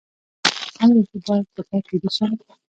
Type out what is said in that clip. ایا زه باید په کټ ویده شم؟